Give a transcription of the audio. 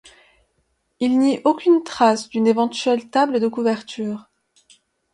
Il n'y aucune trace d'une éventuelle table de couverture.